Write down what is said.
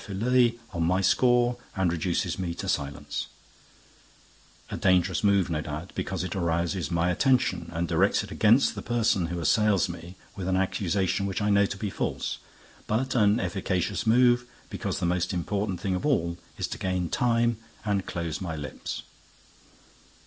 Filleul on my score and reduces me to silence: a dangerous move, no doubt, because it arouses my attention and directs it against the person who assails me with an accusation which I know to be false; but an efficacious move, because the most important thing of all is to gain time and close my lips.